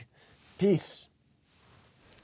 ピース。